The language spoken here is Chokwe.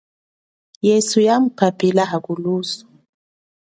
Yesu yamuphaphila, hakulusu.